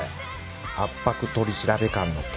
圧迫取調官の件。